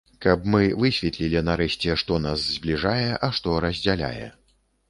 Каб мы высветлілі нарэшце, што нас збліжае, а што раздзяляе.